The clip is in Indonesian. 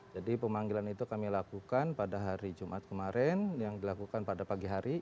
jadi pemanggilan itu kami lakukan pada hari jumat kemarin yang dilakukan pada pagi hari